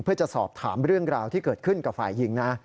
เพื่อจะสอบถามเรื่องราวที่เกิดขึ้นกับฝ่ายหญิงนะ